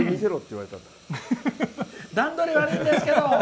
段取り悪いんですけど！